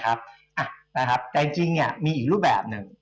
แต่จริงเนี่ยมีอีกรูปแบบหนึ่ง